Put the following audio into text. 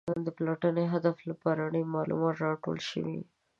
د پلټنې هدف لپاره اړین معلومات راټول شوي.